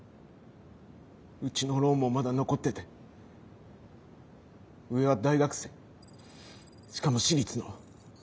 うちのローンもまだ残ってて上は大学生しかも私立の。